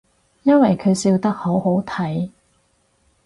因為佢笑得好好睇